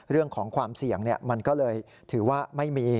เรื่องของความเสี่ยงมันก็เลยถือว่าไม่มี